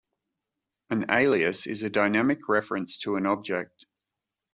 An alias is a dynamic reference to an object.